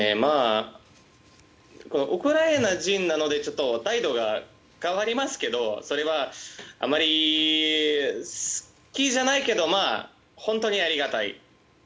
ウクライナ人なので態度が変わりますけどそれはあまり好きじゃないけど本当にありがたい。